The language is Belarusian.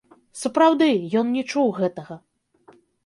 Сапраўды, ён не чуў гэтага.